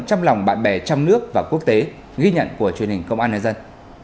trong lòng bạn bè trong nước và quốc tế ghi nhận của truyền hình công an nhân dân